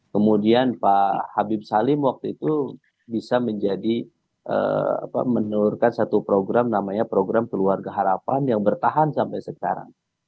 kemudian pak habib salim waktu itu bisa menjadi menurunkan satu program namanya program keluarga harapan yang bertahan sampai sekarang